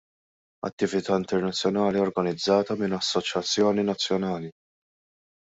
Attività internazzjonali organizzata minn assoċjazzjoni nazzjonali.